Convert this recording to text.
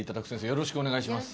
よろしくお願いします。